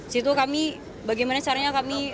situ kami bagaimana caranya kami